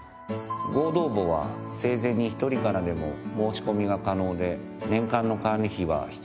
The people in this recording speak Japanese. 合同墓は生前に１人からでも申し込みが可能で年間の管理費は必要ありません。